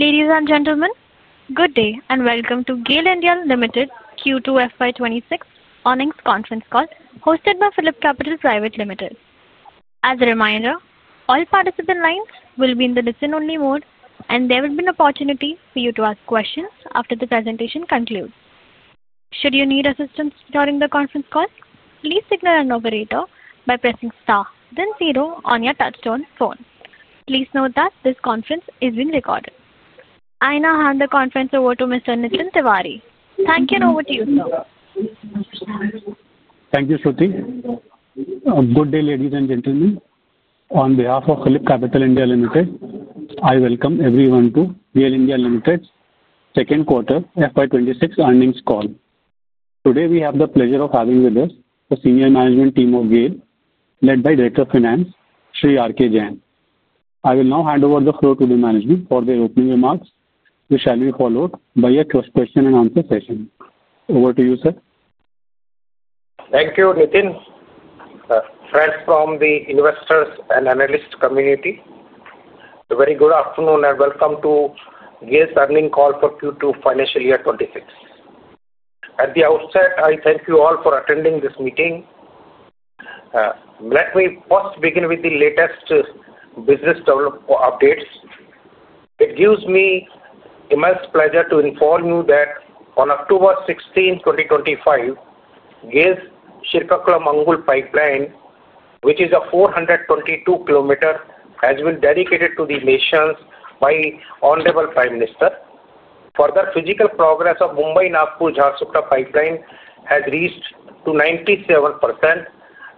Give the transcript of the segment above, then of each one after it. Ladies and gentlemen, good day and Welcome to GAIL (India) Limited Q2 FY 2026 earnings conference call hosted by Phillip Capital Private Limited. As a reminder, all participant lines will be in the listen-only mode, and there will be an opportunity for you to ask questions after the presentation concludes. Should you need assistance during the conference call, please signal an operator by pressing star then zero on your touchtone phone. Please note that this conference is being recorded. I now hand the conference over to Mr. Nitin Tiwari. Thank you, and over to you, sir. Thank you, Shruti. Good day, ladies and gentlemen. On behalf of Phillip Capital India Limited, I welcome everyone to GAIL (India) Limited's second quarter FY 2026 earnings call. Today, we have the pleasure of having with us the senior management team of GAIL, led by Director Finance, Sri RK Jain. I will now hand over the floor to the management for their opening remarks, which shall be followed by a question-and-answer session. Over to you, sir. Thank you, Nitin. Friends from the investors and analyst community, a very good afternoon and Welcome to GAIL earnings call for Q2 financial year 2026. At the outset, I thank you all for attending this meeting. Let me first begin with the latest business development updates. It gives me immense pleasure to inform you that on October 16, 2025, GAIL's Srikakulam-Angul pipeline, which is a 422 km pipeline, has been dedicated to the nation by the Honorable Prime Minister. Further, physical progress of the Mumbai-Nagpur-Jharsuguda Pipeline has reached 97%,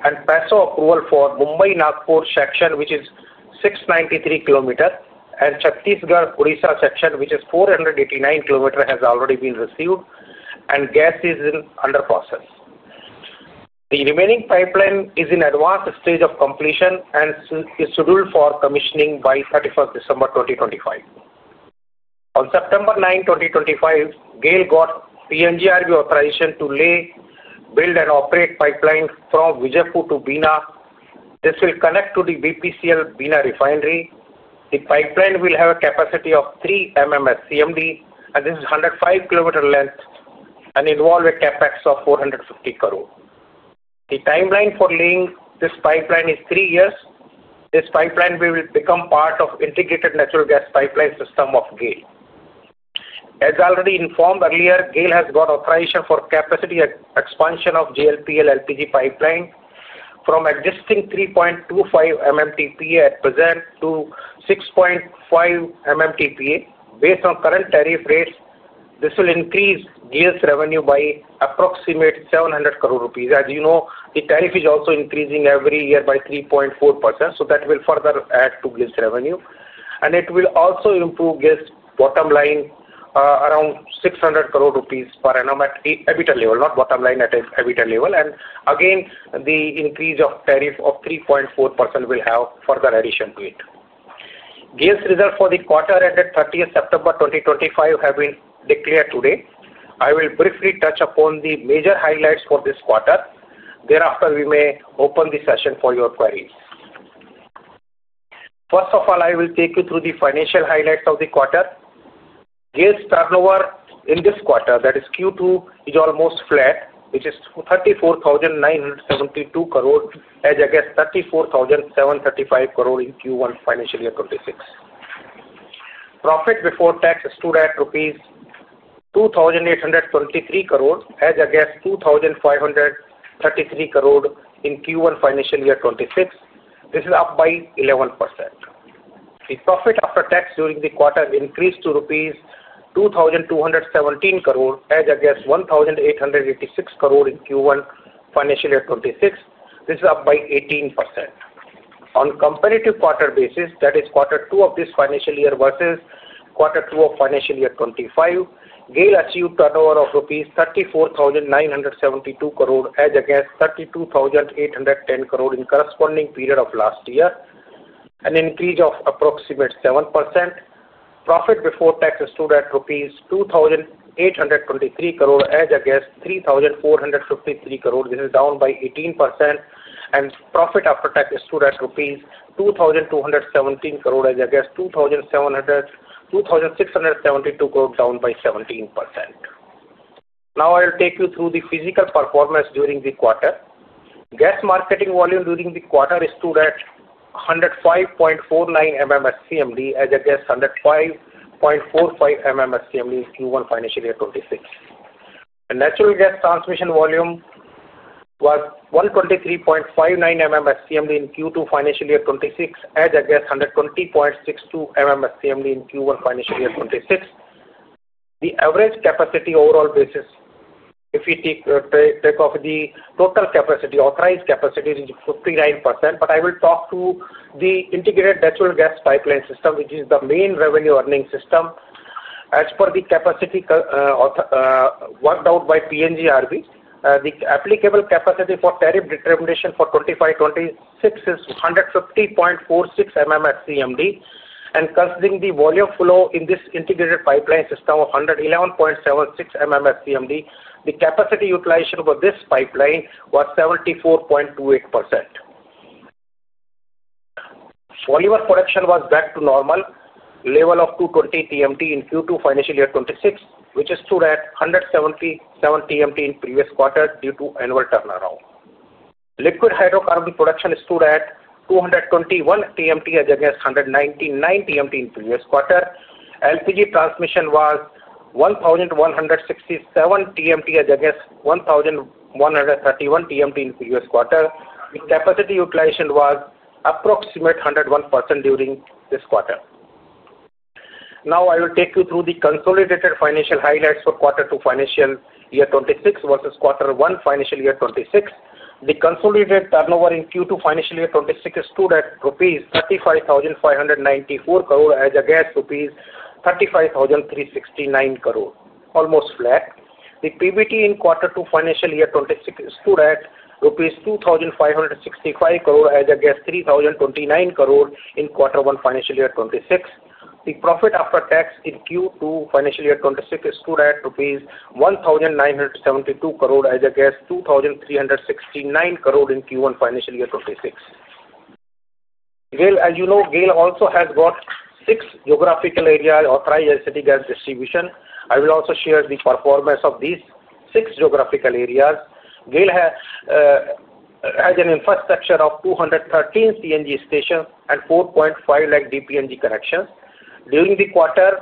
and PESO approval for the Mumbai-Nagpur section, which is 693 km, and Chhattisgarh-Odisha section, which is 489 km, has already been received, and GAIL is under process. The remaining pipeline is in the advanced stage of completion and is scheduled for commissioning by 31st December, 2025. On September 9th, 2025, GAIL got PNGRB authorization to lay, build, and operate pipelines from Vijaypir to Bina. This will connect to the BPCL Bina refinery. The pipeline will have a capacity of 3 MMS CMD, and this is 105 km in length and involves a CapEX of 450 crore. The timeline for laying this pipeline is three years. This pipeline will become part of the Integrated Natural Gas Pipeline System of GAIL. As already informed earlier, GAIL has got authorization for capacity expansion of the GLPL-LPG pipeline from existing 3.25 MMTPA at present to 6.5 MMTPA. Based on current tariff rates, this will increase GAIL's revenue by approximately 700 crore rupees. As you know, the tariff is also increasing every year by 3.4%, which will further add to GAIL's revenue. It will also improve GAIL's bottom line around 600 crore rupees per annum at the EBITDA level, not bottom line at the EBITDA level. The increase of the tariff of 3.4% will have further addition to it. GAIL's results for the quarter ended 30th September, 2025, have been declared today. I will briefly touch upon the major highlights for this quarter. Thereafter, we may open the session for your queries. First of all, I will take you through the financial highlights of the quarter. GAIL's turnover in this quarter, that is Q2, is almost flat, which is 34,972 crore as against 34,735 crore in Q1 financial year 2026. Profit before tax stood at rupees 2,823 crore as against 2,533 crore in Q1 financial year 2026. This is up by 11%. The profit after tax during the quarter increased to rupees 2,217 crore as against 1,886 crore in Q1 financial year 2026. This is up by 18%. On a comparative quarter basis, that is quarter two of this financial year versus quarter two of financial year 2025, GAIL achieved turnover of rupees 34,972 crore as against 32,810 crore in the corresponding period of last year, an increase of approximately 7%. Profit before tax stood at rupees 2,823 crore as against 3,453 crore. This is down by 18%. Profit after tax stood at rupees 2,217 crore as against 2,672 crore, down by 17%. Now, I will take you through the physical performance during the quarter. Gas marketing volume during the quarter stood at 105.49 MMS CMD as against 105.45 MMS CMD in Q1 financial year 2026. The natural gas transmission volume was 123.59 MMS CMD in Q2 financial year 2026 as against 120.62 MMS CMD in Q1 financial year 2026. The average capacity overall basis, if you take of the total capacity, authorized capacity is 59%. I will talk to the Integrated Natural Gas Pipeline System, which is the main revenue earning system. As per the capacity worked out by PNGRB, the applicable capacity for tariff determination for 2025-2026 is 150.46 MMS CMD. Considering the volume flow in this Integrated Natural Gas Pipeline System of 111.76 MMS CMD, the capacity utilization for this pipeline was 74.28%. Polymer production was back to normal level of 220 TMT in Q2 financial year 2026, which stood at 177 TMT in the previous quarter due to annual turnaround. Liquid hydrocarbon production stood at 221 TMT as against 199 TMT in the previous quarter. LPG transmission was 1,167 TMT as against 1,131 TMT in the previous quarter. The capacity utilization was approximately 101% during this quarter. Now, I will take you through the consolidated financial highlights for quarter two financial year 2026 versus quarter one financial year 2026. The consolidated turnover in Q2 financial year 2026 stood at INR 35,594 crore as against INR 35,369 crore, almost flat. The PBT in quarter two financial year 2026 stood at INR 2,565 crore as against INR 3,029 crore in quarter one financial year 2026. The profit after tax in Q2 financial year 2026 stood at rupees 1,972 crore as against 2,369 crore in Q1 financial year 2026. As you know, GAIL also has got six geographical areas authorized as city gas distribution. I will also share the performance of these six geographical areas. GAIL has an infrastructure of 213 CNG stations and 4.5 lakh DPNG connections. During the quarter,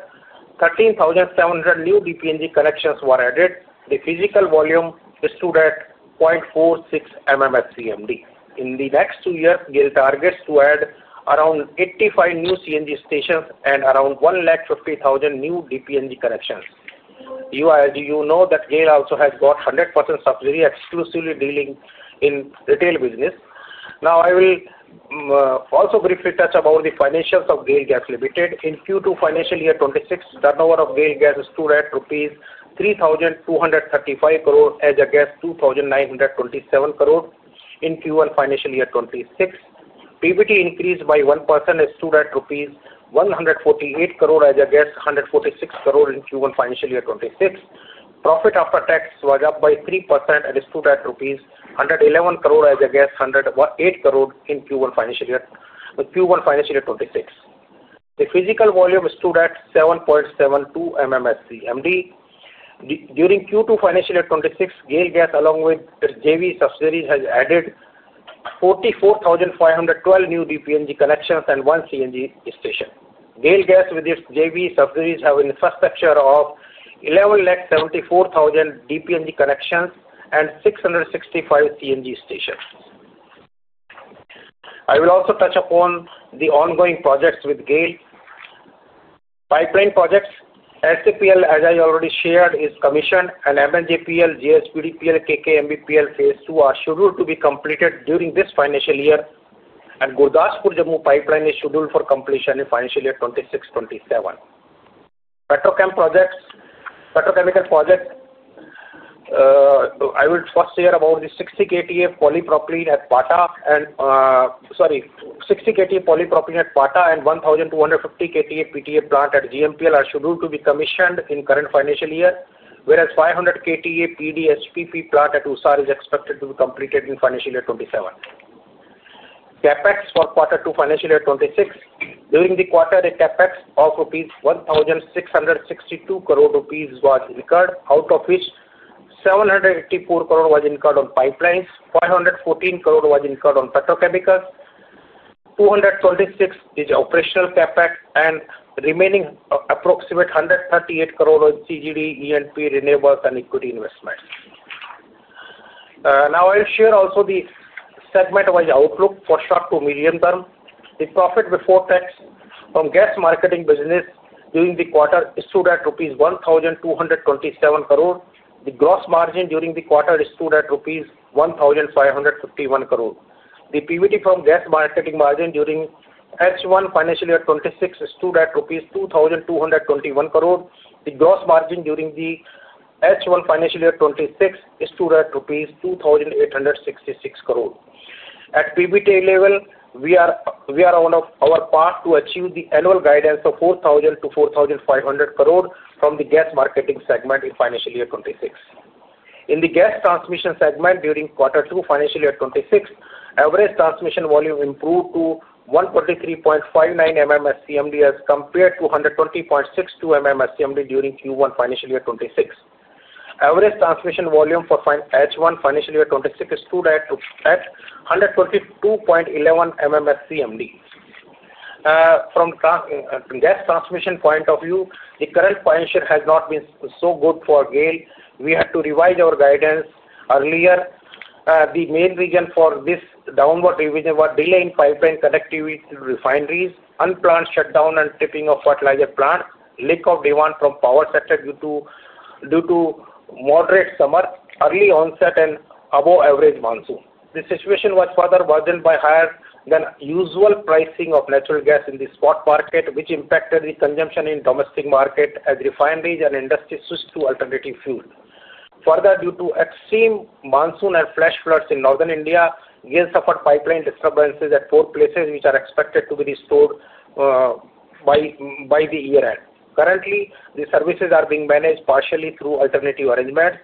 13,700 new DPNG connections were added. The physical volume stood at 0.46 MMS CMD. In the next two years, GAIL targets to add around 85 new CNG stations and around 150,000 new DPNG connections. As you know, GAIL also has got 100% subsidy, exclusively dealing in retail business. Now, I will also briefly touch about the financials of GAIL Gas Limited. In Q2 financial year 2026, turnover of GAIL Gas stood at rupees 3,235 crore as against 2,927 crore in Q1 financial year 2026. PBT increased by 1% and stood at rupees 148 crore as against 146 crore in Q1 financial year 2026. Profit After Tax was up by 3% and stood at rupees 111 crore as against 108 crore in Q1 financial year 2026. The physical volume stood at 7.72 MMS CMD. During Q2 financial year 2026, GAIL Gas, along with its JV subsidiaries, has added 44,512 new DPNG connections and one CNG station. GAIL Gas, with its JV subsidiaries, has an infrastructure of 1,174,000 DPNG connections and 665 CNG stations. I will also touch upon the ongoing projects with GAIL. Pipeline projects: LCPL, as I already shared, is commissioned, and MNJPL, GSPL, KKMBPL, phase II are scheduled to be completed during this financial year. Gurdaspur-Jammu pipeline is scheduled for completion in financial year 2026-2027. Petrochemical projects: I will first share about the 60 KTA polypropylene at Pata and 1,250 KTA PTA plant at GMPL are scheduled to be commissioned in the current financial year, whereas 500 KTA PDH PP plant at USAR is expected to be completed in financial year 2027. CapEX for quarter two financial year 2026: During the quarter, a CapEX of 1,662 crore rupees was incurred, out of which 784 crore was incurred on pipelines, 514 crore was incurred on petrochemicals, 226 crore is operational CapEX, and remaining approximately 138 crore was CGD, E&P, renewables, and equity investments. Now, I will share also the segment-wise outlook for short to medium term. The profit before tax from gas marketing business during the quarter stood at rupees 1,227 crore. The gross margin during the quarter stood at rupees 1,551 crore. The PBT from gas marketing margin during H1 financial year 2026 stood at rupees 2,221 crore. The gross margin during the H1 financial year 2026 stood at rupees 2,866 crore. At PBTA level, we are on our path to achieve the annual guidance of 4,000 crore-4,500 crore from the gas marketing segment in financial year 2026. In the gas transmission segment during quarter two financial year 2026, average transmission volume improved to 123.59 MMS CMD as compared to 120.62 MMS CMD during Q1 financial year 2026. Average transmission volume for H1 financial year 2026 stood at 122.11 MMS CMD. From a gas transmission point of view, the current financial has not been so good for GAIL. We had to revise our guidance earlier. The main reason for this downward revision was delay in pipeline connectivity to refineries, unplanned shutdown and tripping of fertilizer plants, leak of demand from power sector due to moderate summer, early onset, and above-average monsoon. The situation was further worsened by higher than usual pricing of natural gas in the spot market, which impacted the consumption in the domestic market as refineries and industry switched to alternative fuel. Further, due to extreme monsoon and flash floods in northern India, GAIL suffered pipeline disturbances at four places, which are expected to be restored by the year-end. Currently, the services are being managed partially through alternative arrangements.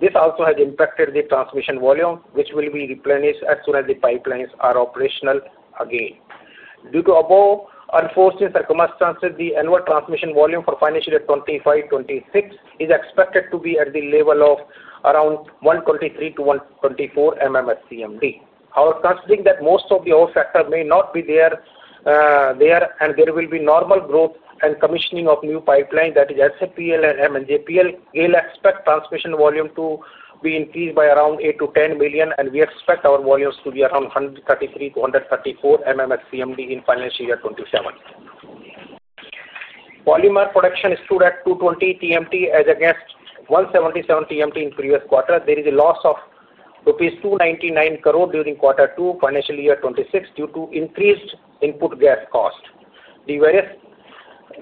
This also has impacted the transmission volume, which will be replenished as soon as the pipelines are operational again. Due to above-unforced circumstances, the annual transmission volume for financial year 2025-2026 is expected to be at the level of around 123 MMS CMD-124 MMS CMD. However, considering that most of the other sector may not be there and there will be normal growth and commissioning of new pipelines, that is, GLPL-LPG pipeline and MNJPL, GAIL expects transmission volume to be increased by around 8 milion-10 million, and we expect our volumes to be around 133 MMS CMD-134 MMS CMD in financial year 2027. Polymer production stood at 220 TMT as against 177 TMT in the previous quarter. There is a loss of 299 crore during quarter two financial year 2026 due to increased input gas cost.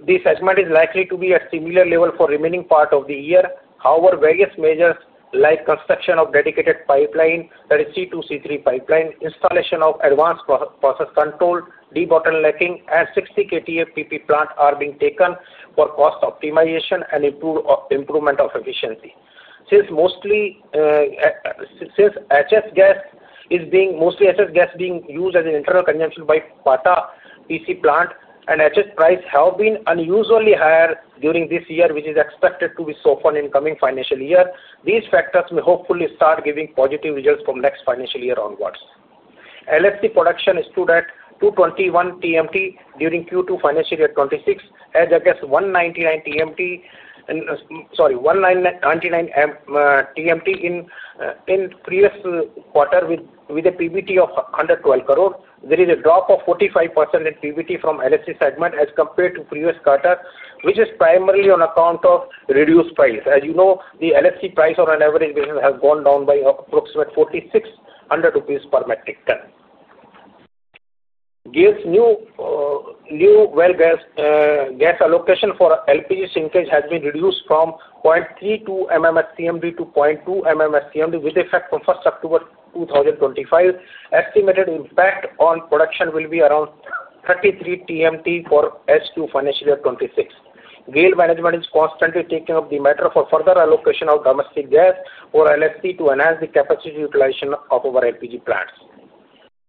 The segment is likely to be at a similar level for the remaining part of the year. However, various measures like construction of dedicated pipeline, that is, C2, C3 pipeline, installation of advanced process control, debottlenecking, and 60 KTA PP plant are being taken for cost optimization and improvement of efficiency. Since HS gas is being used as an internal consumption by PATA PC plant, and HS prices have been unusually higher during this year, which is expected to be softened in the coming financial year, these factors may hopefully start giving positive results from the next financial year onwards. LHC production stood at 221 TMT during Q2 financial year 2026 as against 199 TMT in the previous quarter, with a PBT of 112 crore. There is a drop of 45% in PBT from LFC segment as compared to the previous quarter, which is primarily on account of reduced price. As you know, the LFC price on an average basis has gone down by approximately 4,600 per metric ton. GAIL's new gas allocation for LPG shrinkage has been reduced from 0.32 MMS CMD-0.2 MMS CMD with effect from 1st October, 2025. Estimated impact on production will be around 33 TMT for H2 financial year 2026. GAIL management is constantly taking up the matter for further allocation of domestic gas or LFC to enhance the capacity utilization of our LPG plants.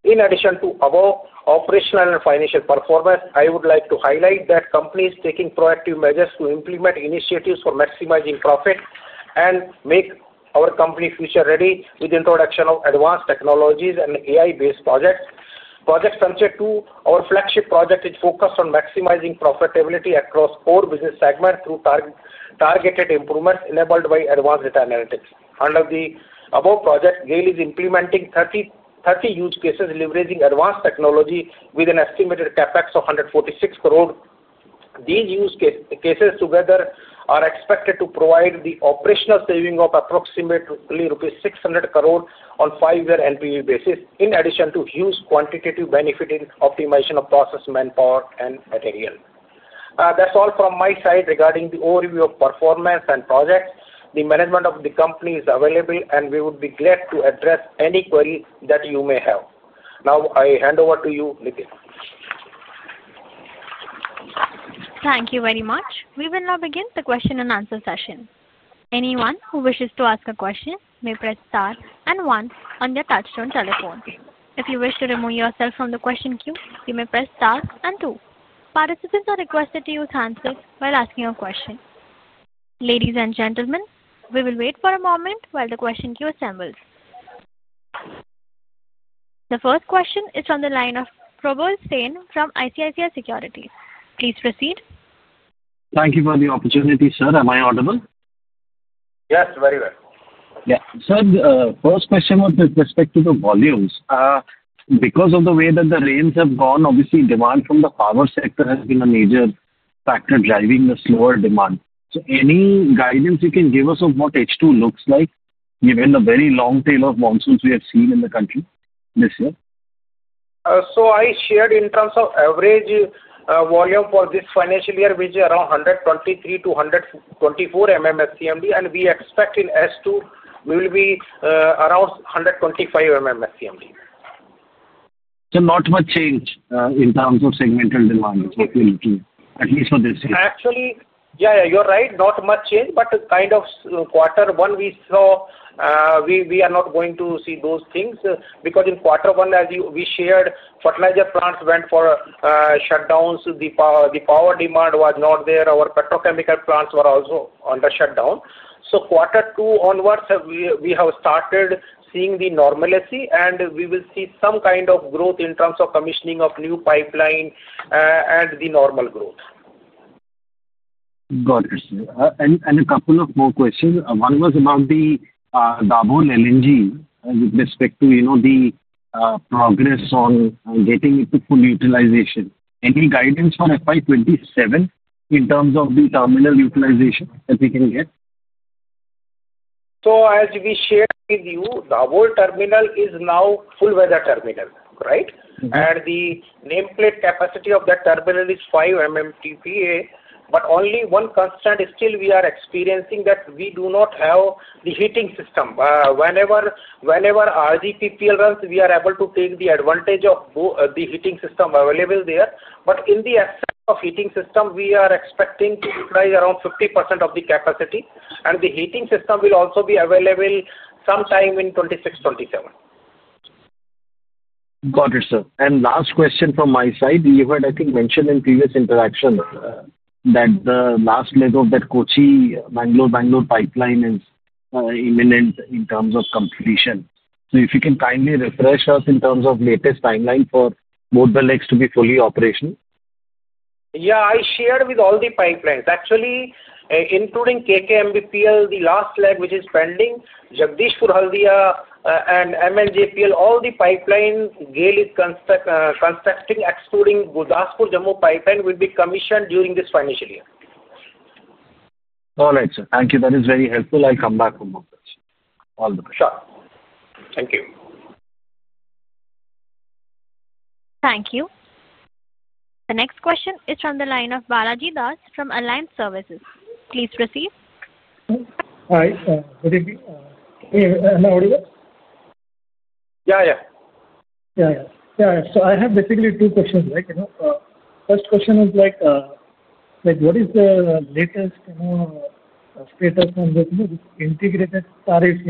In addition to above operational and financial performance, I would like to highlight that the company is taking proactive measures to implement initiatives for maximizing profit and make our company future-ready with the introduction of advanced technologies and AI-based projects. Project Sanche II, our flagship project, is focused on maximizing profitability across four business segments through targeted improvements enabled by advanced data analytics. Under the above project, GAIL is implementing 30 use cases leveraging advanced technology with an estimated CapEX of 146 crore. These use cases together are expected to provide the operational savings of approximately rupees 600 crore on a five-year NPV basis, in addition to huge quantitative benefit in optimization of process, manpower, and material. That's all from my side regarding the overview of performance and projects. The management of the company is available, and we would be glad to address any query that you may have. Now, I hand over to you, Nitin. Thank you very much. We will now begin the question and answer session. Anyone who wishes to ask a question may press star and one on their touchstone telephone. If you wish to remove yourself from the question queue, you may press star and two. Participants are requested to use hands if while asking a question. Ladies and gentlemen, we will wait for a moment while the question queue assembles. The first question is from the line of Prabhul Sehan from ICICI Security. Please proceed. Thank you for the opportunity, sir. Am I audible? Yes, very well. Sir, the first question was with respect to the volumes. Because of the way that the rains have gone, obviously, demand from the power sector has been a major factor driving the slower demand. Any guidance you can give us of what H2 looks like, given the very long tail of monsoons we have seen in the country this year? I shared in terms of average volume for this financial year, which is around 123 MMS CMD-124 MMS CMD, and we expect in H2 we will be around 125 MMS CMD. Not much change in terms of segmental demand, which we're looking at, at least for this year. Actually, yeah, you're right. Not much change, but quarter one, we saw. We are not going to see those things because in quarter one, as we shared, fertilizer plants went for shutdowns. The power demand was not there. Our petrochemical plants were also under shutdown. Quarter two onwards, we have started seeing the normalcy, and we will see some kind of growth in terms of commissioning of new pipeline and the normal growth. Got it, sir. A couple of more questions. One was about the Dabhol LNG with respect to the progress on getting it to full utilization. Any guidance for FY 2027 in terms of the terminal utilization that we can get? As we shared with you, Dabhol terminal is now full-weather terminal, right? The nameplate capacity of that terminal is 5 MMTPA, but only one constant still we are experiencing that we do not have the heating system. Whenever RDPPL runs, we are able to take the advantage of the heating system available there. In the absence of heating system, we are expecting to utilize around 50% of the capacity, and the heating system will also be available sometime in 2026-2027. Got it, sir. Last question from my side. You had, I think, mentioned in previous interaction that the last leg of that Kochi-Bangalore-Bangalore pipeline is imminent in terms of completion. If you can kindly refresh us in terms of the latest timeline for both the legs to be fully operational. I shared with all the pipelines. Actually, including KKMBPL, the last leg, which is pending, Jagdishpur-Haldia and MNJPL, all the pipeline GAIL is constructing, excluding Gurdaspur-Jammu pipeline, will be commissioned during this financial year. All right, sir. Thank you. That is very helpful. I'll come back with more questions. All the best. Sure. Thank you. Thank you. The next question is from the line of Balaji Das from Allianz Services. Please proceed. Hi. Good evening. Am I audible? Yeah, yeah. So I have basically two questions. First question is, what is the latest status on this integrated tariff,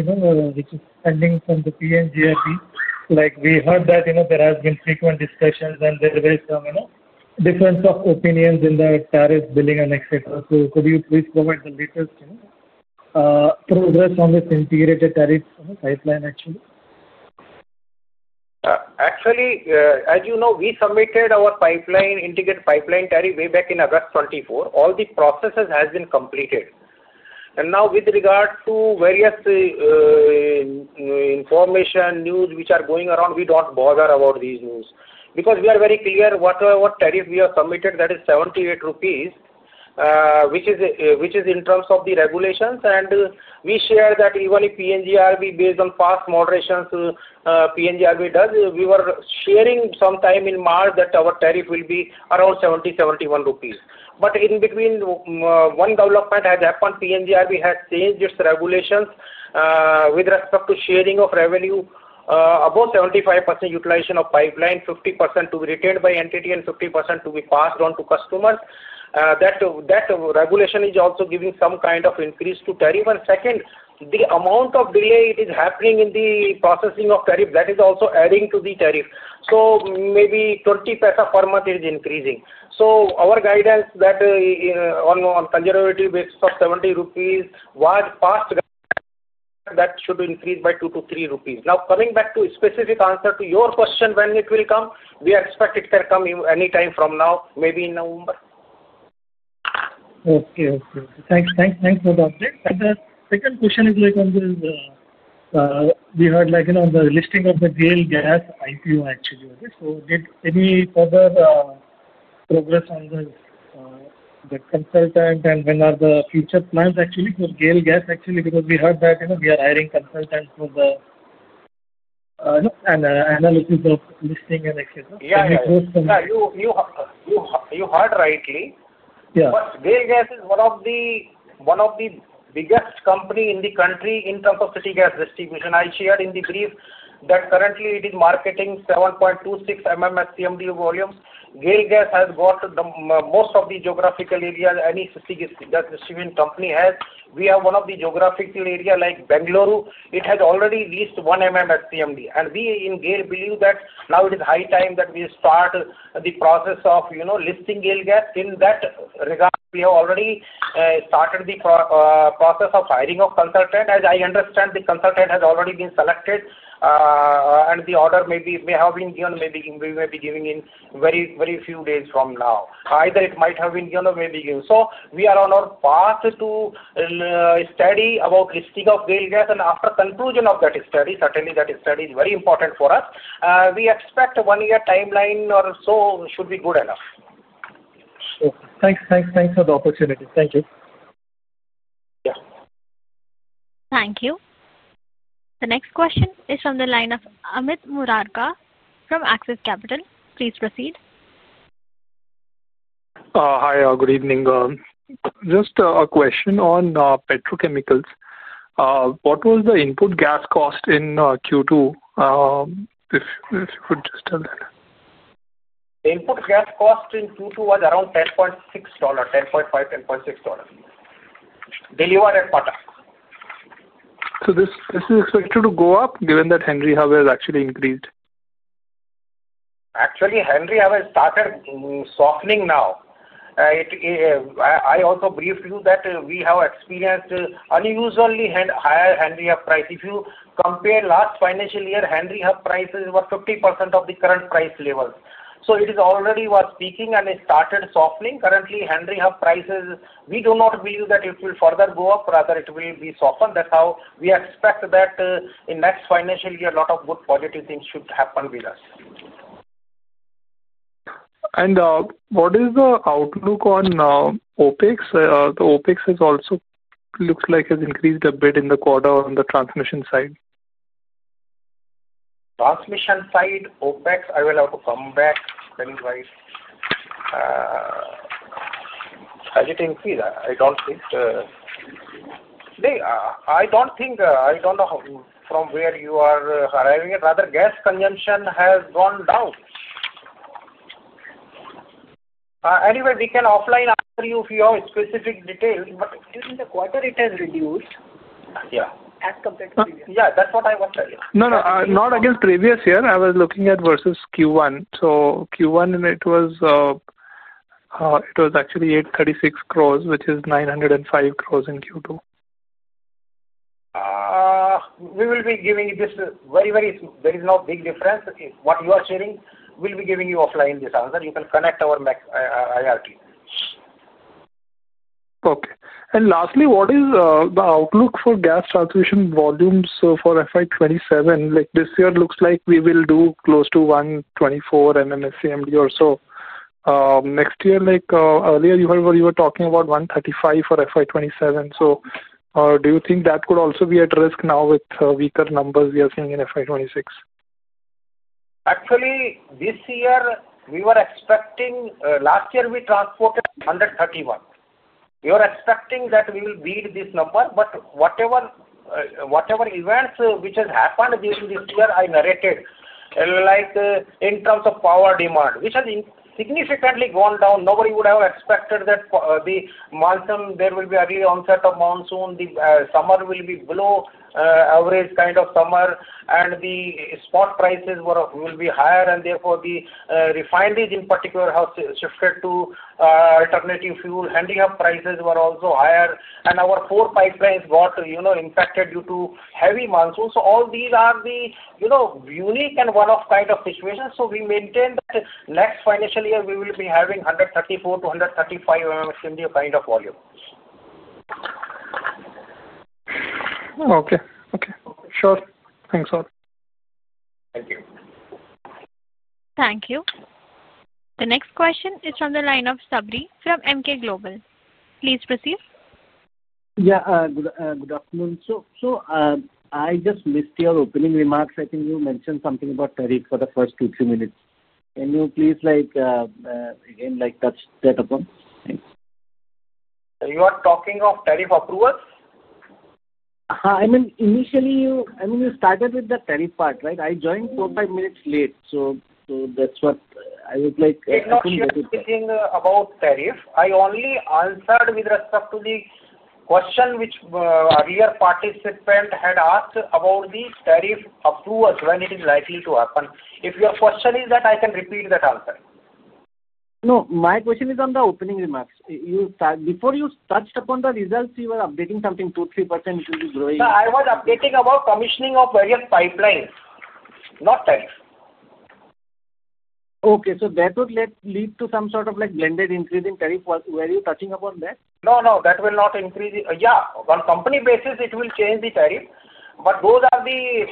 which is pending from the PNGRB? We heard that there have been frequent discussions, and there is some difference of opinions in the tariff billing and etc. Could you please provide the latest progress on this integrated tariff pipeline, actually? Actually, as you know, we submitted our integrated pipeline tariff way back in August 2024. All the processes have been completed. Now, with regard to various information, news which are going around, we don't bother about these news because we are very clear whatever tariff we have submitted, that is 78 rupees. Which is in terms of the regulations. We shared that even if PNGRB, based on past moderations PNGRB does, we were sharing sometime in March that our tariff will be around 70 rupees, INR 71. In between, one development has happened. PNGRB has changed its regulations with respect to sharing of revenue, above 75% utilization of pipeline, 50% to be retained by entity, and 50% to be passed on to customers. That regulation is also giving some kind of increase to tariff. The amount of delay it is happening in the processing of tariff, that is also adding to the tariff. Maybe 2 per month is increasing. Our guidance that on a conservative basis of 70 rupees was past. That should increase by 2-3 rupees. Now, coming back to specific answer to your question, when it will come, we expect it can come anytime from now, maybe in November. Okay, okay. Thanks. Thanks, for that. The second question is on the listing of the GAIL Gas IPO, actually. Did any further progress on the consultant, and when are the future plans, actually, for GAIL Gas, actually? Because we heard that we are hiring consultants for the analysis of listing and etc. Can we close from there? Yeah. You heard rightly. GAIL Gas is one of the biggest companies in the country in terms of city gas distribution. I shared in the brief that currently it is marketing 7.26 MMS CMD volumes. GAIL Gas has got most of the geographical areas any city gas distribution company has. We have one of the geographical areas like Bangalore. It has already reached 1 MMS CMD. We in GAIL believe that now it is high time that we start the process of listing GAIL Gas. In that regard, we have already started the process of hiring of consultants. As I understand, the consultant has already been selected. The order may have been given. We may be giving in very, very few days from now. Either it might have been given or may be given. We are on our path to. Study about listing of GAIL Gas. After conclusion of that study, certainly that study is very important for us. We expect a one-year timeline or so should be good enough. Thanks. Thanks. Thanks for the opportunity. Thank you. Yeah. Thank you. The next question is from the line of Amit Murarka from Axis Capital. Please proceed. Hi. Good evening. Just a question on petrochemicals. What was the input gas cost in Q2? If you could just tell that. Input gas cost in Q2 was around $10.6, $10.5, $10.6 delivered at PATA. This is expected to go up given that Henry Hub has actually increased? Actually, Henry Hub has started softening now. I also briefed you that we have experienced unusually high Henry Hub price. If you compare last financial year, Henry Hub prices were 50% of the current price level. It is already peaking, and it started softening. Currently, Henry Hub prices, we do not believe that it will further go up. Rather, it will be softened. That's how we expect that in the next financial year, a lot of good positive things should happen with us. What is the outlook on OpEx? The OpEx also looks like it has increased a bit in the quarter on the transmission side. Transmission side, OpEx, I will have to come back. Explain why. Has it increased? I don't think. I don't think. I don't know from where you are arriving at. Rather, gas consumption has gone down. Anyway, we can offline ask you for specific details. During the quarter, it has reduced as compared to previous year. Yeah. That's what I was telling you. No, no. Not against previous year. I was looking at versus Q1. Q1, it was actually 836 crore, which is 905 crore in Q2. We will be giving this very, very small. There is no big difference. What you are sharing, we'll be giving you offline this answer. You can connect our IRT. Okay. Lastly, what is the outlook for gas transmission volumes for FY27? This year looks like we will do close to 124 MMS CMD or so. Next year, earlier, you were talking about 135 for FY27. Do you think that could also be at risk now with weaker numbers we are seeing in FY26? Actually, this year, we were expecting last year, we transported 131. We were expecting that we will beat this number. Whatever events which have happened during this year, I narrated. Like in terms of power demand, which has significantly gone down. Nobody would have expected that the monsoon, there will be early onset of monsoon. The summer will be below average kind of summer. The spot prices will be higher. Therefore, the refineries in particular have shifted to alternative fuel. Handicap prices were also higher. Our four pipelines got impacted due to heavy monsoon. All these are the unique and one-off kind of situations. We maintain that next financial year, we will be having 134 MMS CMD-135 MMS CMD kind of volume. Okay. Sure. Thanks, sir. Thank you. Thank you. The next question is from the line of Sabri from Emkay Global. Please proceed. Yeah. Good afternoon. I just missed your opening remarks. I think you mentioned something about tariff for the first two, three minutes. Can you please again touch that upon? You are talking of tariff approvals? I mean, initially, you started with the tariff part, right? I joined four, five minutes late. That's what I was like. It's not speaking about tariff. I only answered with respect to the question which earlier participant had asked about the tariff approvals, when it is likely to happen. If your question is that, I can repeat that answer. No, my question is on the opening remarks. Before you touched upon the results, you were updating something 2%, 3% which will be growing. I was updating about commissioning of various pipelines, not tariff. Okay. So that would lead to some sort of blended increase in tariff. Were you touching upon that? No, no. That will not increase. On company basis, it will change the tariff. Those are the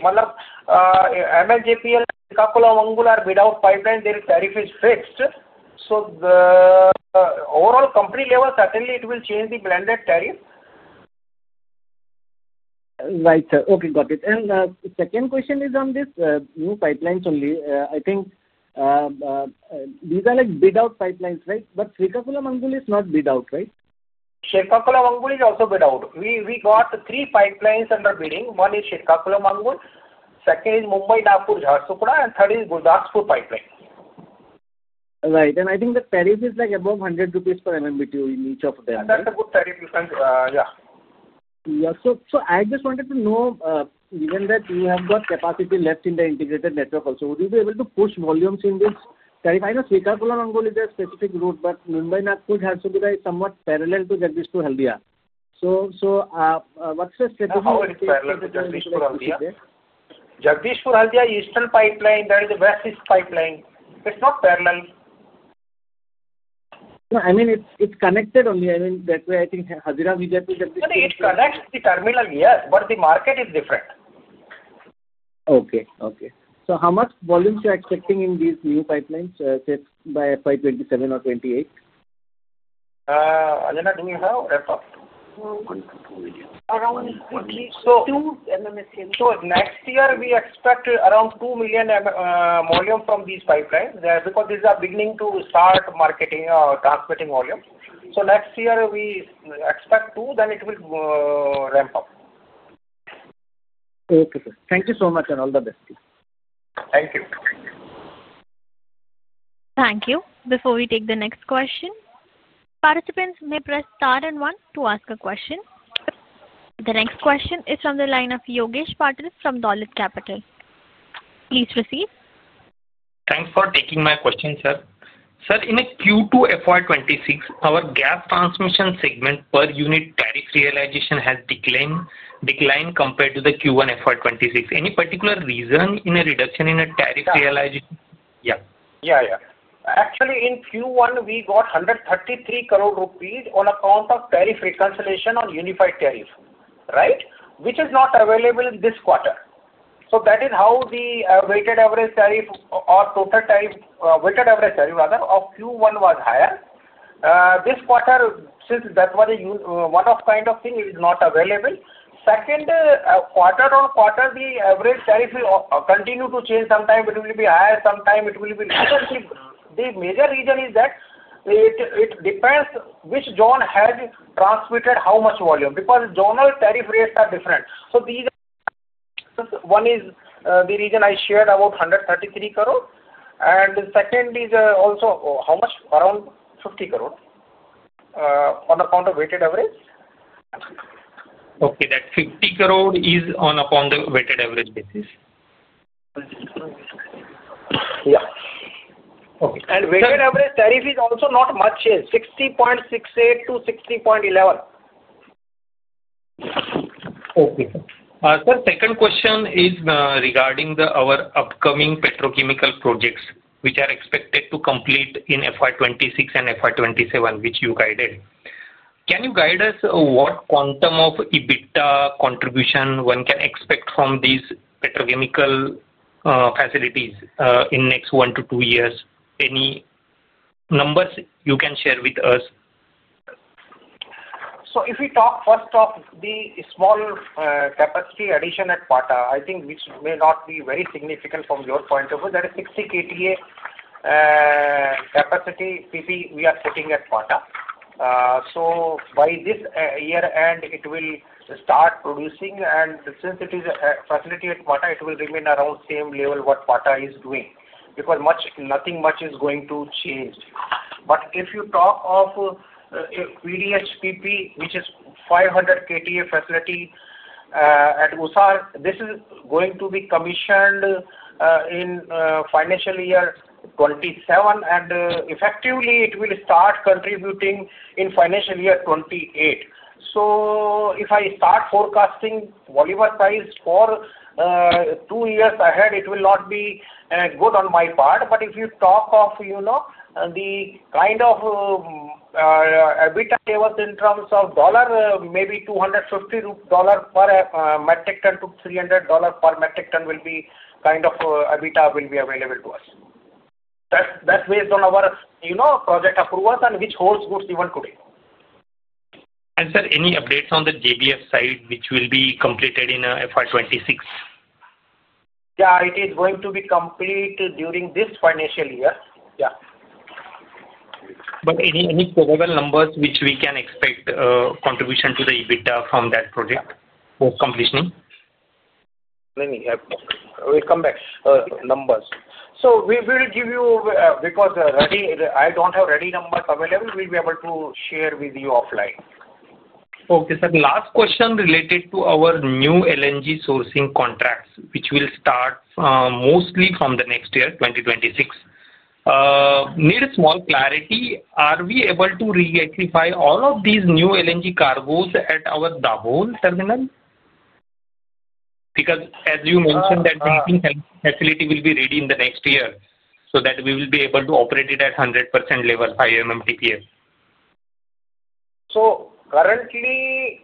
MNJPL, [Kumar Mangal] are without pipelines. Their tariff is fixed. Overall company level, certainly it will change the blended tariff. Right. Okay. Got it. The second question is on this new pipelines only. I think these are bid-out pipelines, right? But Srikakulam-Angul is not bid-out, right? Srikakulam-Angul is also bid-out. We got three pipelines under bidding. One is Srikakulam-Angul. Second is Mumbai-Nagpur-Jharsuguda, and third is Gurdaspur pipeline. Right. I think the tariff is above 100 rupees per MMBTU in each of them. That's a good tariff. Yeah. So I just wanted to know, given that you have got capacity left in the integrated network also, would you be able to push volumes in this tariff? I know Srikakulam-Angul is a specific route, but Mumbai-Nagpur has to be somewhat parallel to Jagdishpur-Haldia. What's the strategy? How is it parallel to Jagdishpur-Haldia? Jagdishpur-Haldia, eastern pipeline. There is a west-east pipeline. It's not parallel. I mean, it's connected only. I mean, that way, I think Hazira-Vijaipur, Jagdishpur-Haldia. It connects the terminal, yes. The market is different. Okay. Okay. How much volumes are you expecting in these new pipelines, say by FY 2027 or FY 2028? Anjana, do you have a rough? Around 2 million? Around 2 million? 2 MMS CMD. Next year, we expect around 2 million volume from these pipelines because these are beginning to start marketing or transmitting volume. Next year, we expect 2, then it will ramp up. Okay, sir. Thank you so much and all the best. Thank you. Thank you. Before we take the next question, participants may press star and one to ask a question. The next question is from the line of Yogesh Patil from Dolat Capital. Please proceed. Thanks for taking my question, sir. Sir, in Q2 FY 2026, our gas transmission segment per unit tariff realization has declined compared to Q1 FY 2026. Any particular reason in a reduction in tariff realization? Yeah. Actually, in Q1, we got INR 133 crore on account of tariff reconciliation on unified tariff, right? Which is not available this quarter. That is how the weighted average tariff or total tariff, weighted average tariff, rather, of Q1 was higher. This quarter, since that was one-off kind of thing, it is not available. Quarter on quarter, the average tariff will continue to change. Sometimes it will be higher, sometimes it will be lower. The major reason is that it depends which zone has transmitted how much volume because zonal tariff rates are different. One is the reason I shared about 133 crore. Second is also how much? Around 50 crore on account of weighted average. Okay. That 50 crore is on the weighted average basis. Yeah. Okay. Weighted average tariff is also not much changed, 60.68 to 60.11. Okay, sir. Sir, second question is regarding our upcoming petrochemical projects, which are expected to complete in FY 2026 and FY 2027, which you guided. Can you guide us what quantum of EBITDA contribution one can expect from these petrochemical facilities in the next one to two years? Any numbers you can share with us? If we talk first of the small capacity addition at PATA, I think which may not be very significant from your point of view, that is 60 KTA capacity PP we are putting at PATA. By this year-end, it will start producing. Since it is a facility at PATA, it will remain around the same level as what PATA is doing because nothing much is going to change. If you talk of PDHPP, which is a 500 KTA facility at USAR, this is going to be commissioned in financial year 2027, and effectively, it will start contributing in financial year 2028. If I start forecasting volume price for two years ahead, it will not be good on my part. If you talk of the kind of EBITDA tables in terms of dollar, maybe $250 per metric ton-$300 per metric ton will be the kind of EBITDA that will be available to us. That's based on our project approvals, and which holds good even today. Any updates on the JBF side, which will be completed in FY 2026? Yeah, it is going to be completed during this financial year. Any probable numbers which we can expect contribution to the EBITDA from that project for completion? We'll come back. Numbers, so we will give you because I don't have ready numbers available, we'll be able to share with you offline. Last question related to our new LNG sourcing contracts, which will start mostly from the next year, 2026. Need a small clarity. Are we able to regasify all of these new LNG cargoes at our Dabhol terminal? Because as you mentioned, that facility will be ready in the next year so that we will be able to operate it at 100% level, 5 MMTPA. Currently, let me answer it differently. Currently,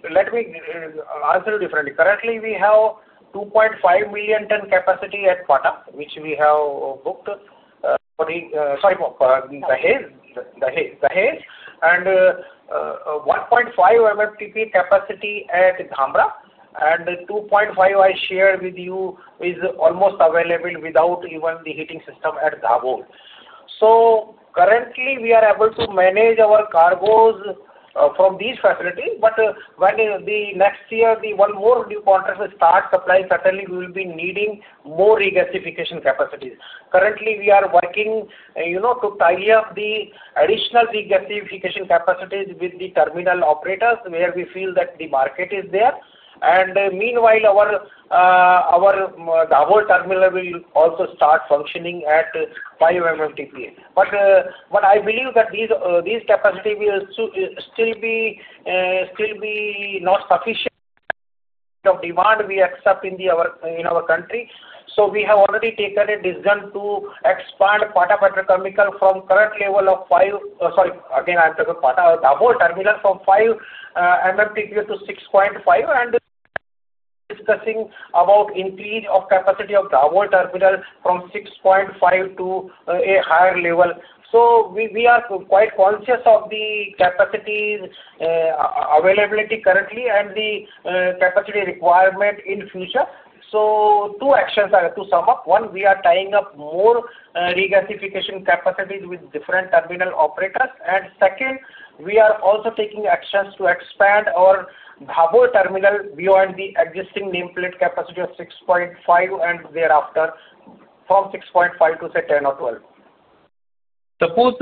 we have 2.5 million ton capacity at PATA, which we have booked. Sorry, the Haze, and 1.5 MMTPA capacity at Dhamra, and 2.5 million ton I shared with you is almost available without even the heating system at Dabhol. Currently, we are able to manage our cargoes from these facilities. When the next year, the one more new contract will start supplying, certainly we will be needing more regasification capacities. Currently, we are working to tie up the additional regasification capacities with the terminal operators where we feel that the market is there. Meanwhile, our Dabhol terminal will also start functioning at 5 MMTPA. I believe that these capacities will still be not sufficient for demand we expect in our country. We have already taken a decision to expand Dabhol terminal from 5 MMTPA to 6.5 MMTPA, and discussing about increase of capacity of Dabhol terminal from 6.5 to a higher level. We are quite conscious of the capacity. Availability currently and the capacity requirement in future. Two actions are to sum up. One, we are tying up more regasification capacities with different terminal operators. Second, we are also taking actions to expand our Dabhol terminal beyond the existing nameplate capacity of 6.5 MMTPA and thereafter from 6.5 MMTPA to, say, 10 MMTPA or 12 MMTPA. Suppose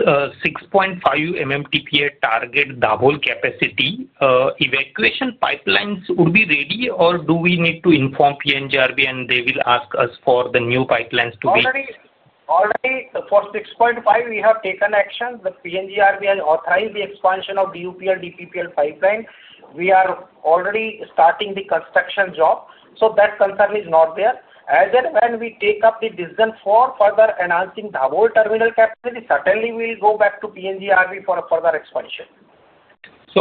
6.5 MMTPA target Dabhol capacity, evacuation pipelines would be ready, or do we need to inform PNGRB and they will ask us for the new pipelines to be? Already, for 6.5 MMTPA, we have taken action. The PNGRB has authorized the expansion of DUPL-DPPL pipeline. We are already starting the construction job. That concern is not there. As and when we take up the decision for further enhancing Dabhol terminal capacity, certainly we'll go back to PNGRB for further expansion.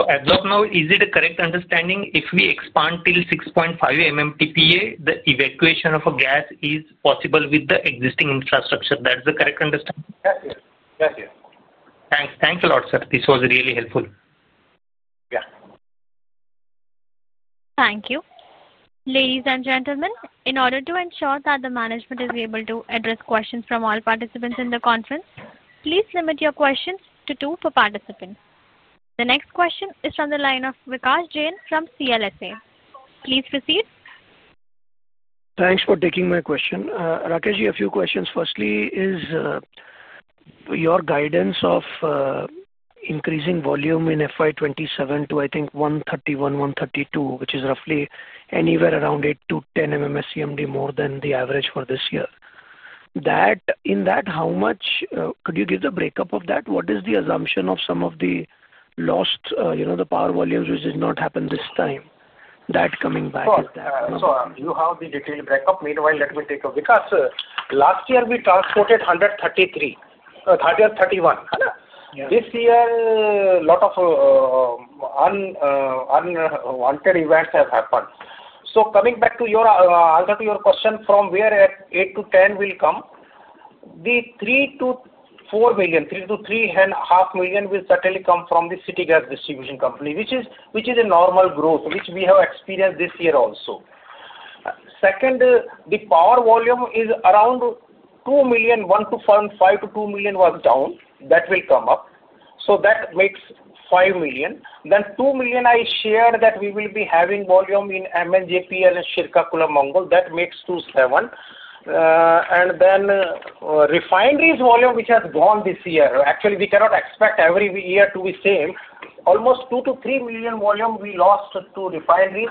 As of now, is it a correct understanding if we expand till 6.5 MMTPA, the evacuation of gas is possible with the existing infrastructure? That's the correct understanding? Yes, yes. Yes, yes. Thanks. Thanks a lot, sir. This was really helpful. Thank you. Ladies and gentlemen, in order to ensure that the management is able to address questions from all participants in the conference, please limit your questions to two per participant. The next question is from the line of Vikas Jain from CLSA. Please proceed. Thanks for taking my question. A few questions. Firstly, your guidance of increasing volume in FY 2027 to, I think, 131 volume, 132 volume, which is roughly anywhere around 8 MMS CMD-0 MMS CMD more than the average for this year. In that, how much could you give the breakup of that? What is the assumption of some of the lost power volumes, which has not happened this time? That coming back with that. Do you have the detailed breakup? Meanwhile, let me take up. Last year, we transported 133 volume, 131.volume This year, a lot of unwanted events have happened. Coming back to your question, from where 8 million-10 million will come, the 3 million-4 million, 3 million-3.5 million will certainly come from the City Gas Distribution Company, which is a normal growth, which we have experienced this year also. The power volume is around 1.5 to 2 million was down. That will come up. That makes 5 million. Then 2 million, I shared that we will be having volume in MNJPL and Srikakulam-Angul. That makes 2 to 7. Refineries volume, which has gone this year, actually, we cannot expect every year to be same. Almost 2 million-3 million volume we lost to refineries.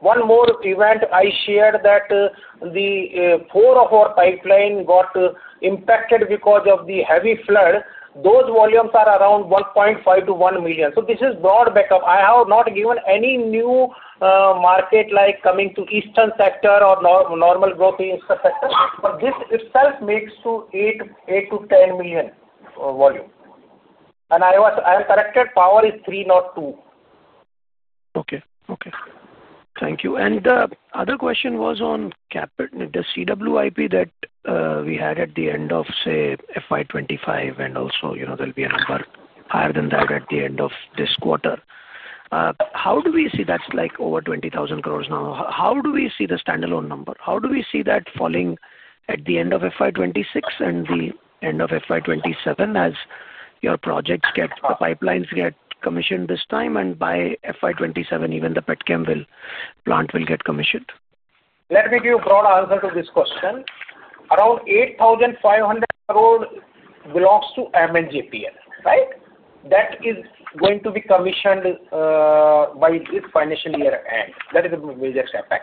One more event I shared is that four of our pipelines got impacted because of the heavy flood. Those volumes are around 1.5 million-1 million. This is broad backup. I have not given any new market like coming to eastern sector or normal growth in eastern sector. This itself makes to 8 million-10 million volume. I am corrected. Power is 3 million, not 2 million. Okay. Okay. Thank you. The other question was on the CWIP that we had at the end of, say, FY 2025, and also there will be a number higher than that at the end of this quarter. How do we see that is like over 20,000 crore now? How do we see the standalone number? How do we see that falling at the end of FY 2026 and the end of FY 2027 as your projects get, the pipelines get commissioned this time? By FY 2027, even the PETCHEM plant will get commissioned. Let me give you a broad answer to this question. Around 8,500 crore belongs to MNJPL, right? That is going to be commissioned by this financial year-end. That is a major setback.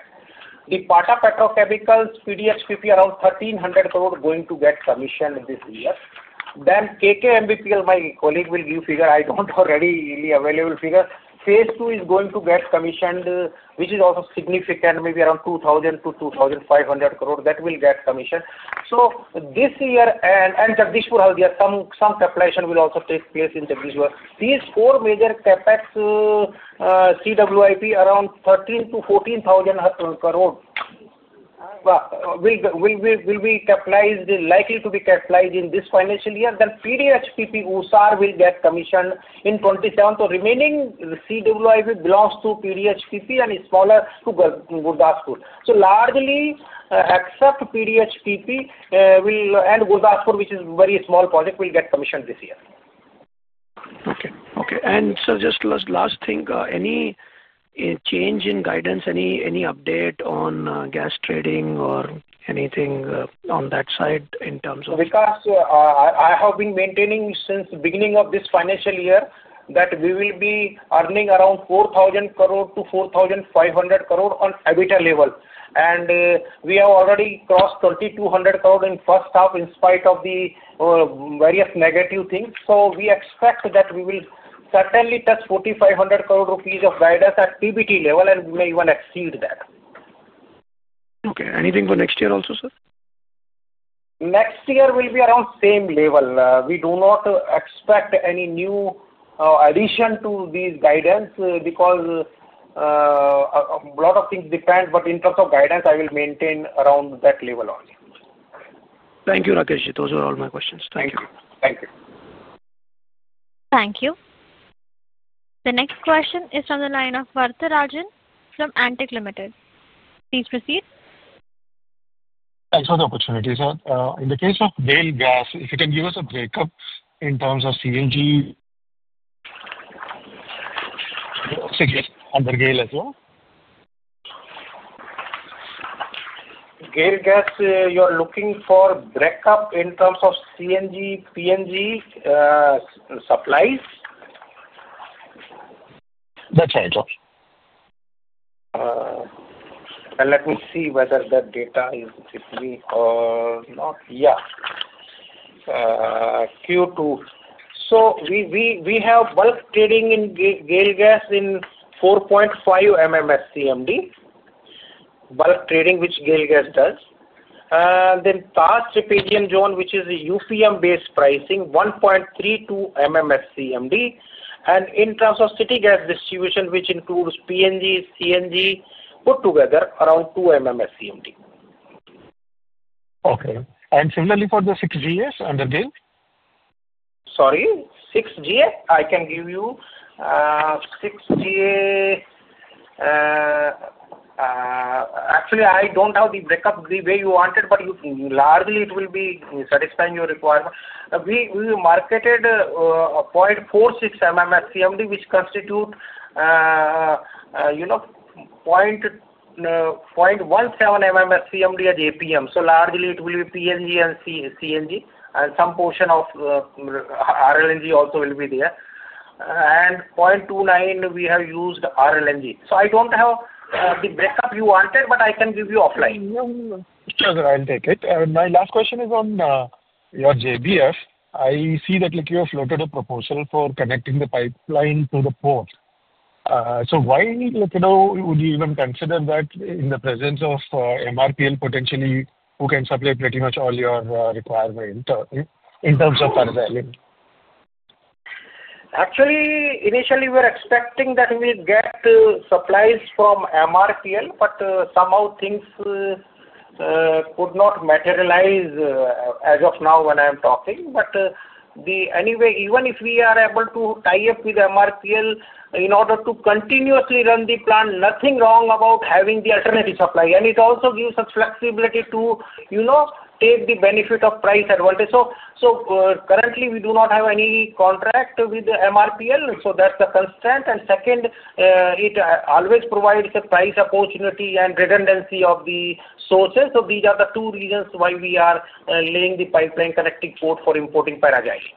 The PATA petrochemicals, PDHPP, around 1,300 crore going to get commissioned this year. Then KKMBPL, my colleague will give you a figure. I do not have readily available figure. phase II is going to get commissioned, which is also significant, maybe around 2,000-2,500 crore that will get commissioned this year. Jagdishpur Haldia, some capitalization will also take place in Jagdishpur. These four major CapEX. CWIP, around 13,000- 14,000 crore, will be capitalized, likely to be capitalized in this financial year. PDHPP, USAR will get commissioned in 2027. Remaining CWIP belongs to PDHPP and is smaller to Gurdaspur. Largely, except PDHPP and Gurdaspur, which is a very small project, will get commissioned this year. Okay. Okay. Sir, just last thing. Any change in guidance, any update on gas trading or anything on that side in terms of? I have been maintaining since the beginning of this financial year that we will be earning around 4,000 crore-4,500 crore on EBITDA level. We have already crossed 3,200 crore in first half in spite of the various negative things. We expect that we will certainly touch 4,500 crore rupees of guidance at PBT level, and we may even exceed that. Okay. Anything for next year also, sir? Next year will be around same level. We do not expect any new addition to this guidance because a lot of things depend. In terms of guidance, I will maintain around that level only. Thank you, Rakesh Jian. Those were all my questions. Thank you. Thank you. Thank you. The next question is from the line of Vartharajan from Antique Limited. Please proceed. Thanks for the opportunity, sir. In the case of GAIL Gas, if you can give us a breakup in terms of CNG. Under GAIL as well? GAIL Gas, you are looking for breakup in terms of CNG, PNG. Supplies? That's right, yes. Let me see whether that data is with me or not. Yeah. Q2. We have bulk trading in GAIL Gas in 4.5 MMS CMD. Bulk trading, which GAIL Gas does. Then past PDM zone, which is UPM-based pricing, 1.32 MMS CMD. In terms of City Gas Distribution, which includes PNG, CNG put together, around 2 MMS CMD. Okay. Similarly for the 6GAs under GAIL? Sorry. 6GA? I can give you. 6GA. Actually, I don't have the breakup the way you wanted, but largely, it will be satisfying your requirement. We marketed 0.46 MMS CMD, which constitutes 0.17 MMS CMD as APM. Largely, it will be PNG and CNG, and some portion of RLNG also will be there. 0.29, we have used RLNG. I don't have the breakup you wanted, but I can give you offline. Sure, sir. I'll take it. My last question is on your JBF. I see that you have floated a proposal for connecting the pipeline to the port. Why would you even consider that in the presence of MRPL potentially, who can supply pretty much all your requirement in terms of paralleling? Actually, initially, we were expecting that we'll get supplies from MRPL, but somehow things could not materialize as of now when I'm talking. Anyway, even if we are able to tie up with MRPL in order to continuously run the plant, nothing wrong about having the alternative supply. It also gives us flexibility to take the benefit of price advantage. Currently, we do not have any contract with MRPL. That's the constant. Second, it always provides a price opportunity and redundancy of the sources. These are the two reasons why we are laying the pipeline connecting port for importing paragliding.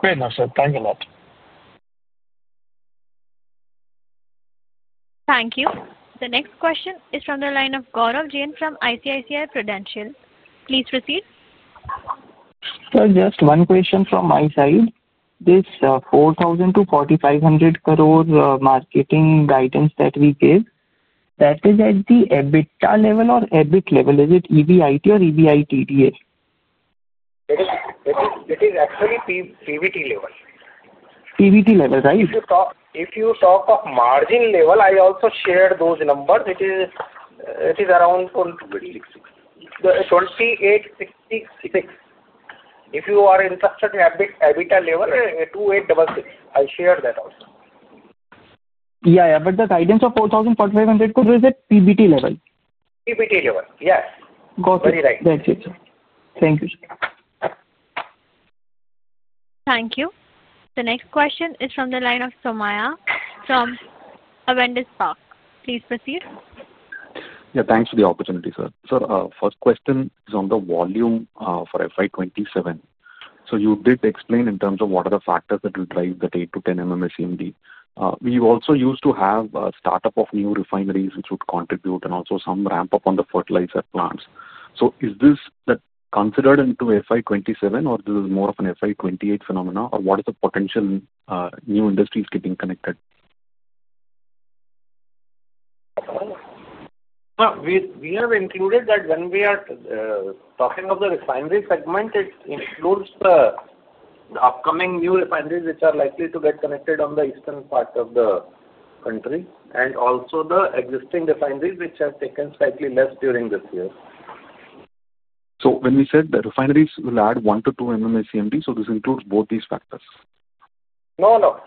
Fair enough, sir. Thanks a lot. Thank you. The next question is from the line of Gaurav Jain from ICICI Prudential. Please proceed. Sir, just one question from my side. This 4,000 crore-4,500 crore marketing guidance that we gave, that is at the EBITDA level or EBIT level? Is it EBIT or EBITDA? It is actually PBT level. PBT level, right? If you talk of margin level, I also shared those numbers. It is around 2,866. If you are interested in EBITDA level, 2,866. I shared that also. Yeah, but the guidance of 4,000 crore-4,500 crore is at PBT level. PBT level, yes. Got it. Very right. That's it, sir. Thank you, sir. Thank you. The next question is from the line of Somaiah from Avendus Park. Please proceed. Yeah, thanks for the opportunity, sir. Sir, first question is on the volume for FY 2027. You did explain in terms of what are the factors that will drive that 8 MMS CMD-10 MMS CMD. We also used to have a startup of new refineries, which would contribute and also some ramp-up on the fertilizer plants. Is this considered into FY 2027, or is this more of an FY 2028 phenomenon, or what is the potential new industries getting connected? We have included that when we are talking of the refinery segment. It includes the upcoming new refineries which are likely to get connected on the eastern part of the country and also the existing refineries which have taken slightly less during this year. When you said the refineries will add 1 MMS CMD-2 MMS CMD, does this include both these factors? No, no.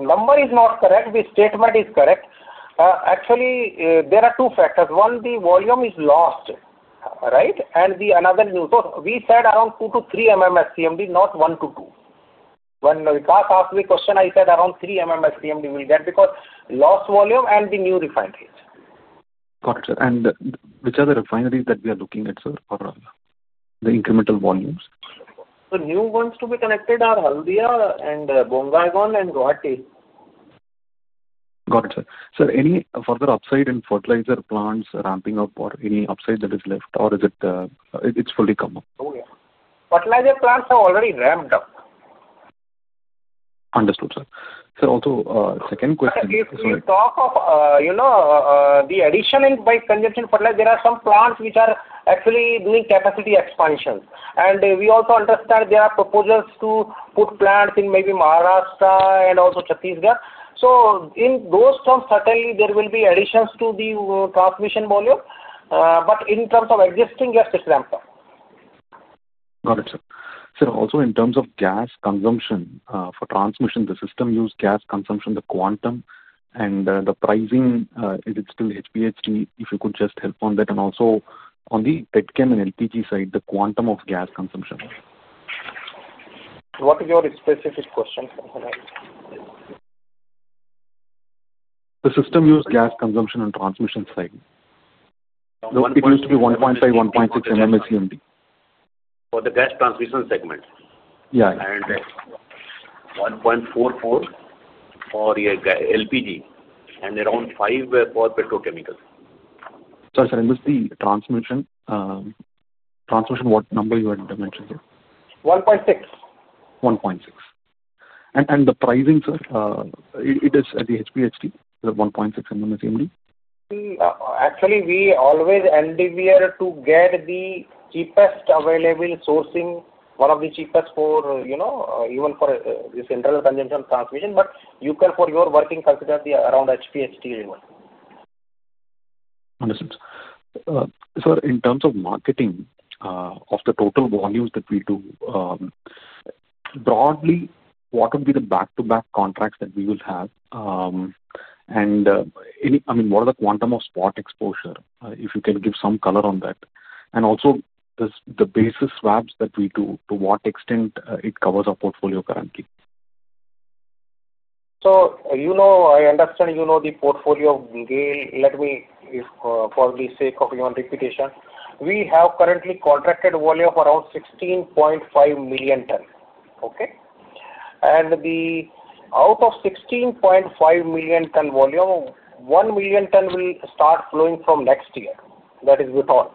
Number is not correct. The statement is correct. Actually, there are two factors. One, the volume is lost, right? And another new. We said around 2 MMS CMD-3 MMS CMD, not 1 MMS CMD-2 MMS CMD. When Vikas asked the question, I said around 3 MMS CMD will get because lost volume and the new refineries. Got it, sir. Which are the refineries that we are looking at, sir, or the incremental volumes? The new ones to be connected are Haldia and Bongaigaon and [Rohaati]. Got it, sir. Sir, any further upside in fertilizer plants ramping up or any upside that is left, or is it fully come up? Oh, yeah. Fertilizer plants have already ramped up. Understood, sir. Sir, also second question. If you talk of the addition by congestion fertilizer, there are some plants which are actually doing capacity expansion. We also understand there are proposals to put plants in maybe Maharashtra and also Chhattisgarh. In those terms, certainly, there will be additions to the transmission volume. In terms of existing, just it's ramped up. Got it, sir. Sir, also in terms of gas consumption for transmission, the system used gas consumption, the quantum and the pricing, is it still HPHT? If you could just help on that. Also on the petrochemicals and LPG side, the quantum of gas consumption. What is your specific question? The system used gas consumption and transmission side. It used to be 1.5 MMS CMD, 1.6 MMS CMD for the gas transmission segment. Yeah. And 1.44 for LPG and around 5 for petrochemicals. Sorry, sir. With the transmission, what number you had mentioned, sir? 1.6. 1.6. The pricing, sir? It is at the HPHT, the 1.6 MMS CMD? Actually, we always endeavor to get the cheapest available sourcing, one of the cheapest for even for this internal congestion transmission. You can, for your working, consider around HPHT level. Understood. Sir, in terms of marketing of the total volumes that we do, broadly, what would be the back-to-back contracts that we will have? What are the quantum of spot exposure, if you can give some color on that? Also, the basis swaps that we do, to what extent it covers our portfolio currently? I understand you know the portfolio of GAIL. Let me, for the sake of your reputation, we have currently contracted volume of around 16.5 million ton. Out of 16.5 million ton volume, 1 million ton will start flowing from next year. That is withdrawn.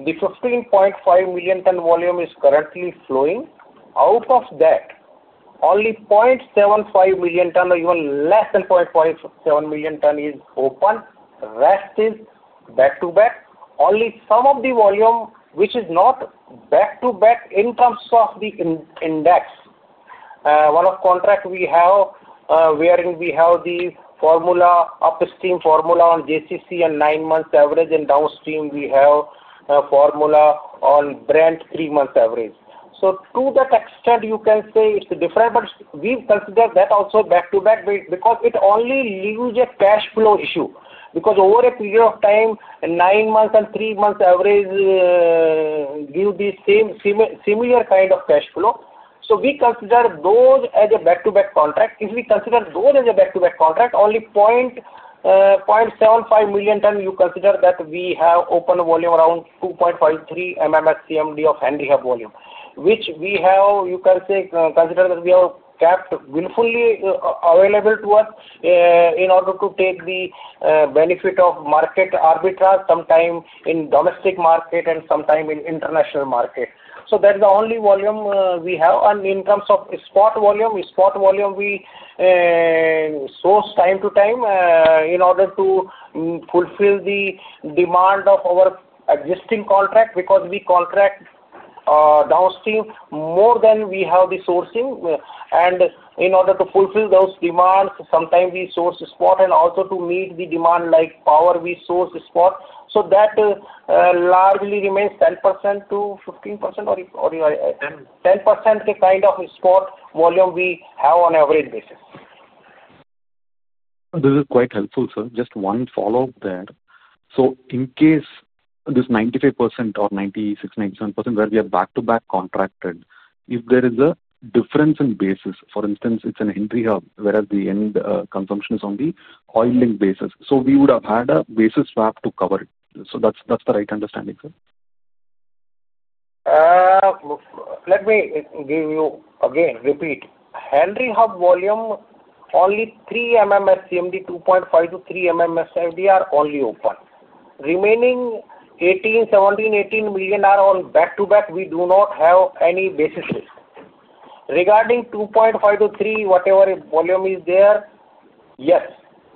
The 15.5 million ton volume is currently flowing. Out of that, only 0.75 million ton, or even less than 0.75 million ton, is open. Rest is back-to-back. Only some of the volume, which is not back-to-back in terms of the index. One of the contracts we have, wherein we have the formula, upstream formula on JCC and nine months average, and downstream we have a formula on Brent three months average. To that extent, you can say it's different, but we've considered that also back-to-back because it only leaves a cash flow issue. Over a period of time, nine months and three months average give the similar kind of cash flow. We consider those as a back-to-back contract. If we consider those as a back-to-back contract, only 0.75 million ton, you consider that we have open volume around 2.53 MMS CMD of handicap volume, which we have, you can say, consider that we have kept willfully available to us in order to take the benefit of market arbitrage sometime in domestic market and sometime in international market. That's the only volume we have. In terms of spot volume, spot volume we source time to time in order to fulfill the demand of our existing contract because we contract downstream more than we have the sourcing. In order to fulfill those demands, sometime we source spot and also to meet the demand like power, we source spot. That largely remains 10%-15% or 10% kind of spot volume we have on average basis. This is quite helpful, sir. Just one follow-up there. In case this 95% or 96, 97% where we have back-to-back contracted, if there is a difference in basis, for instance, it's a handicap whereas the end consumption is on the oil link basis, we would have had a basis swap to cover it. That's the right understanding, sir? Let me give you, again, repeat. Handicap volume, only 3 MMS CMD, 2.5 to 3 MMS CMD are only open. Remaining 17, 18 million are on back-to-back. We do not have any basis risk. Regarding 2.5 to 3, whatever volume is there, yes,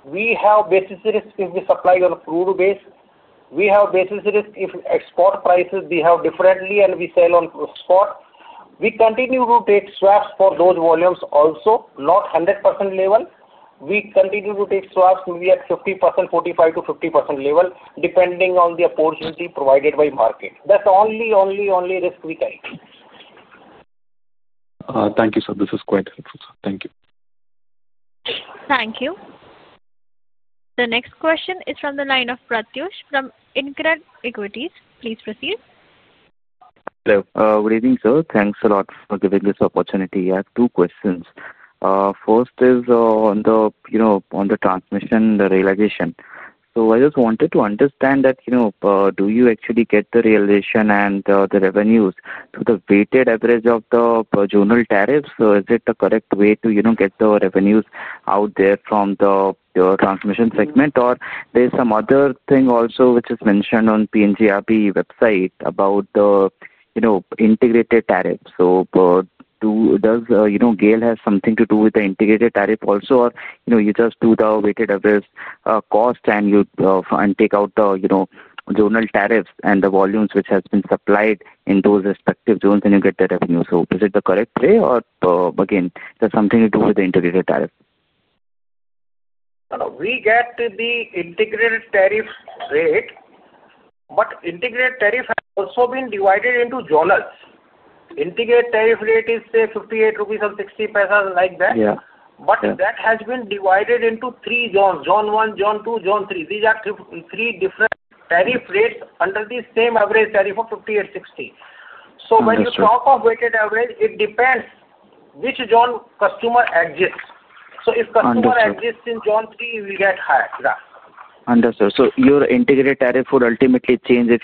we have basis risk if we supply on crude base. We have basis risk if export prices we have differently and we sell on spot. We continue to take swaps for those volumes also, not 100% level. We continue to take swaps maybe at 50%, 45 to 50% level, depending on the opportunity provided by market. That's only, only, only risk we carry. Thank you, sir. This is quite helpful, sir. Thank you. Thank you. The next question is from the line of Pratyush from Incred Equities. Please proceed. Hello. Good evening, sir. Thanks a lot for giving this opportunity. I have two questions. First is on the transmission, the realization. I just wanted to understand that. Do you actually get the realization and the revenues to the weighted average of the zonal tariffs? Is it the correct way to get the revenues out there from the transmission segment? Or there's some other thing also which is mentioned on PNGRB website about the integrated tariff. Does GAIL have something to do with the integrated tariff also, or you just do the weighted average cost and you take out the zonal tariffs and the volumes which have been supplied in those respective zones, and you get the revenues? Is it the correct way, or again, is that something to do with the integrated tariff? We get the integrated tariff rate. Integrated tariff has also been divided into zones. Integrated tariff rate is, say, 58.60 rupees, like that. That has been divided into three zones: Zone 1, Zone 2, Zone 3. These are three different tariff rates under the same average tariff of 58.60. When you talk of weighted average, it depends which zone customer exists. If customer exists in Zone 3, you will get higher. Understood. Your integrated tariff would ultimately change if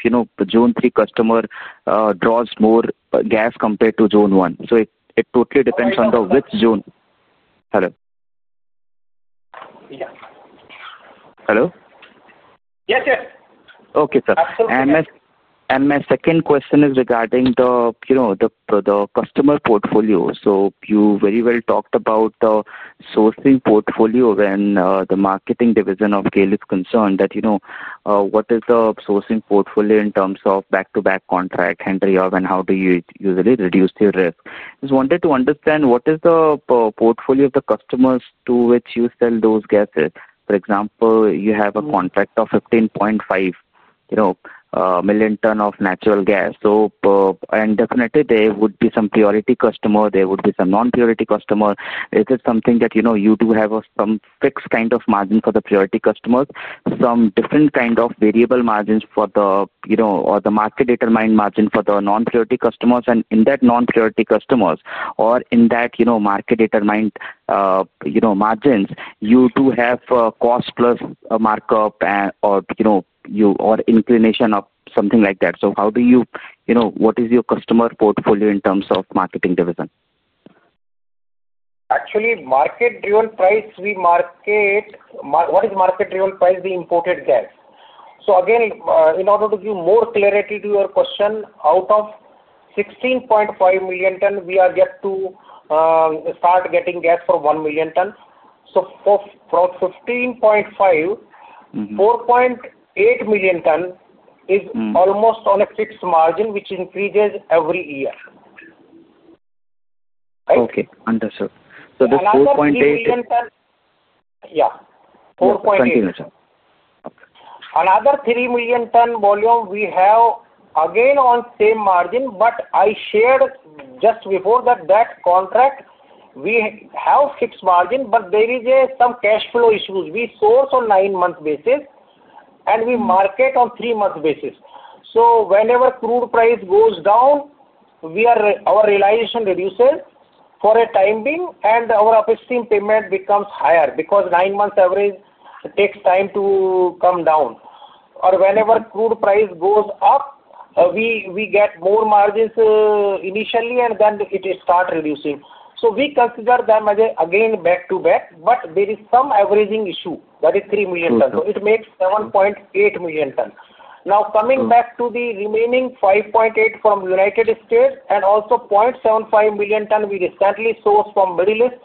Zone 3 customer draws more gas compared to Zone 1. It totally depends on which zone. Hello? Yeah. Hello? Yes, yes. Okay, sir. My second question is regarding the customer portfolio. You very well talked about the sourcing portfolio when the marketing division of GAIL is concerned. What is the sourcing portfolio in terms of back-to-back contract, handicap, and how do you usually reduce your risk? Just wanted to understand what is the portfolio of the customers to which you sell those gases. For example, you have a contract of 15.5 million ton of natural gas. There would definitely be some priority customer. There would be some non-priority customer. Is it something that you do have some fixed kind of margin for the priority customers, some different kind of variable margins for the, or the market-determined margin for the non-priority customers? In that non-priority customers or in that market-determined margins, you do have cost plus markup or inclination of something like that. How do you—what is your customer portfolio in terms of marketing division? Actually, market-driven price, we market—what is market-driven price? The imported gas. In order to give more clarity to your question, out of 16.5 million ton, we are yet to start getting gas for 1 million ton. From 15.5 milloin, 4.8 million ton is almost on a fixed margin, which increases every year. Okay. Understood. This 4.8, Yeah, 4.8. Continue, sir. Another 3 million ton volume we have again on same margin, but I shared just before that that contract, we have fixed margin, but there is some cash flow issues. We source on nine-month basis, and we market on three-month basis. Whenever crude price goes down, our realization reduces for a time being, and our upstream payment becomes higher because nine-month average takes time to come down. Whenever crude price goes up, we get more margins initially, and then it starts reducing. We consider them again back-to-back, but there is some averaging issue. That is 3 million ton. It makes 7.8 million ton. Coming back to the remaining 5.8 from United States and also 0.75 million ton we recently sourced from Middle East,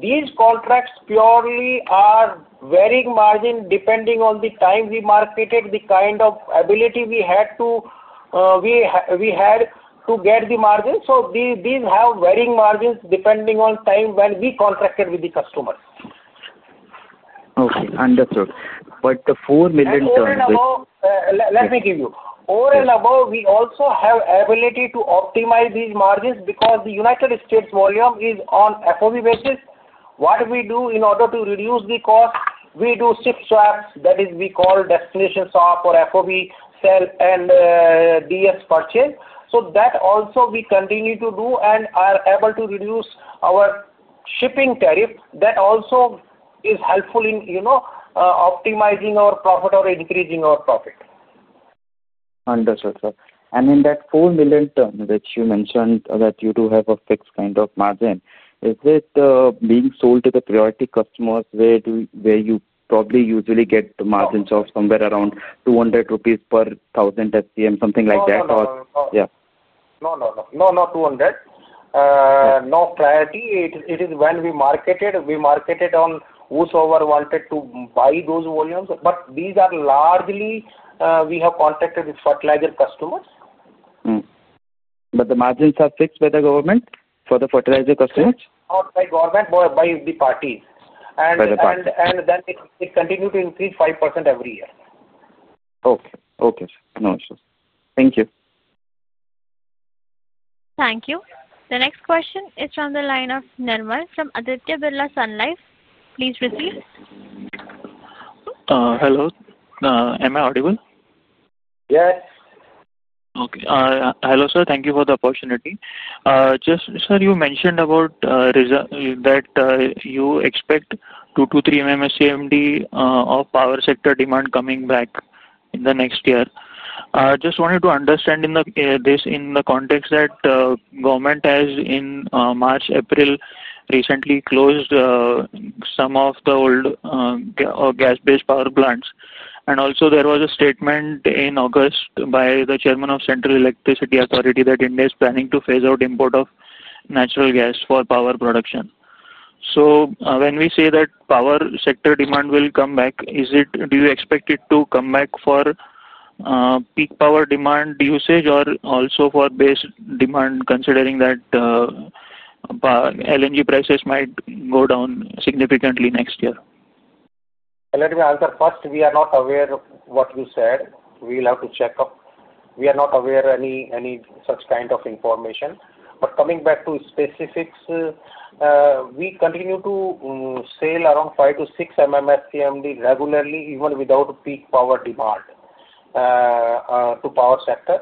these contracts purely are varying margin depending on the time we marketed, the kind of ability we had to get the margin. These have varying margins depending on time when we contracted with the customers. Okay. Understood. The 4 million ton. Let me give you. Over and above, we also have ability to optimize these margins because the United States volume is on FOB basis. What we do in order to reduce the cost, we do shift swaps. That is, we call destination swap or FOB sale and DS purchase. We continue to do that and are able to reduce our shipping tariff. That also is helpful in optimizing our profit or increasing our profit. Understood, sir. In that 4 million ton, which you mentioned that you do have a fixed kind of margin, is it being sold to the priority customers where you probably usually get the margin swap somewhere around 200 rupees per 1,000 SCM, something like that? Yeah. No, no, no. No, not 200. No clarity. When we marketed, we marketed on whoever wanted to buy those volumes. These are largely we have contracted with fertilizer customers. The margins are fixed by the government for the fertilizer customers? Not by government, but by the parties. It continues to increase 5% every year. Okay. Okay, sir. Understood. Thank you. Thank you. The next question is from the line of Nirmal from Aditya Birla Sun Life. Please proceed. Hello. Am I audible? Yes. Okay. Hello, sir. Thank you for the opportunity. Sir, you mentioned about expecting 2 MMS CMD-3 MMS CMD of power sector demand coming back in the next year. Just wanted to understand in the context that government has, in March, April, recently closed some of the old gas-based power plants. There was a statement in August by the Chairman of Central Electricity Authority that India is planning to phase out import of natural gas for power production. When we say that power sector demand will come back, do you expect it to come back for peak power demand usage or also for base demand, considering that LNG prices might go down significantly next year? Let me answer first. We are not aware of what you said. We'll have to check up. We are not aware of any such kind of information. Coming back to specifics, we continue to sell around 5 MMS CMD-6 MMS CMD regularly, even without peak power demand, to power sector.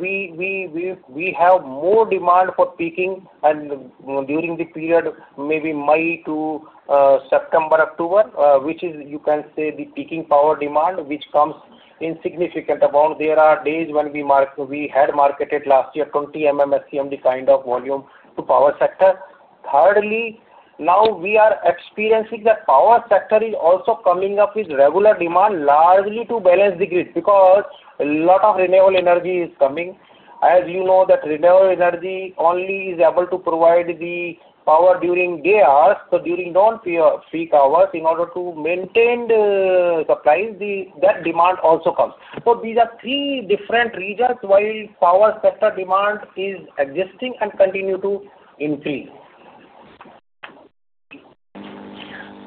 We have more demand for peaking during the period, maybe May to September, October, which is, you can say, the peaking power demand, which comes in significant amount. There are days when we had marketed last year 20 MMS CMD kind of volume to power sector. Thirdly, now we are experiencing that power sector is also coming up with regular demand, largely to balance the grid because a lot of renewable energy is coming. As you know, that renewable energy only is able to provide the power during day hours. During non-peak hours, in order to maintain the supplies, that demand also comes. These are three different regions while power sector demand is existing and continues to increase.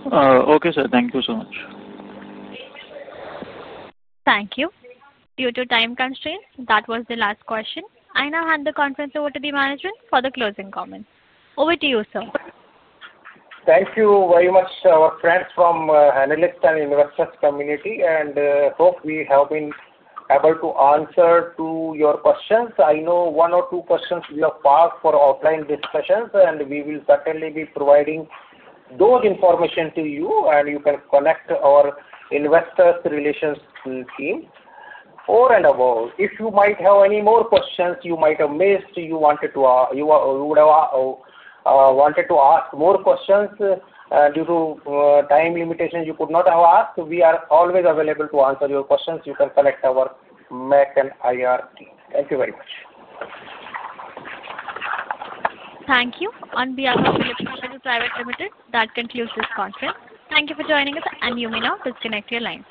Okay, sir. Thank you so much. Thank you. Due to time constraints, that was the last question. I now hand the conference over to the management for the closing comments. Over to you, sir. Thank you very much, our friends from the analysts and investors community, and I hope we have been able to answer your questions. I know one or two questions will pass for offline discussions, and we will certainly be providing that information to you, and you can connect with our investors' relations team. Over and above, if you have any more questions you might have missed or wanted to ask, due to time limitations you could not have asked, we are always available to answer your questions. You can connect with our MEC and IR team. Thank you very much. Thank you. On behalf of Phillip Capital Private Limited, that concludes this conference. Thank you for joining us, and you may now disconnect your line.